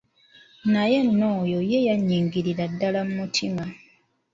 Naye nno oyo ye yannyingirira ddala mu mutima.